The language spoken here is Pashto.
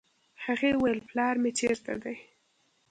هغې وويل پلار مې چېرته دی.